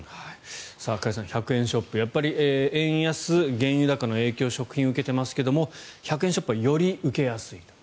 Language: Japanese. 加谷さん１００円ショップ円安、原油高の影響を食品は受けてますが１００円ショップはより受けやすいと。